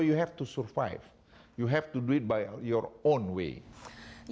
kamu harus melakukannya dengan cara sendiri